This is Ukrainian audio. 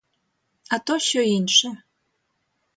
А то що інше.